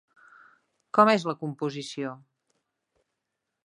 Com és la composició?